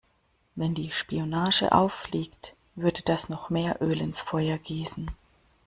Wenn die Spionage auffliegt, würde das noch mehr Öl ins Feuer gießen.